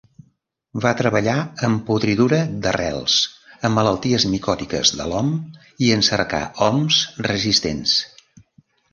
Va treballar en podridura d'arrels, en malalties micòtiques de l'om i en cercar oms resistents.